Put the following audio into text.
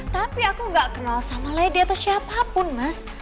tapi aku gak kenal sama lady atau siapapun mas